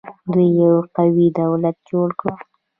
دوی یو قوي دولت جوړ کړ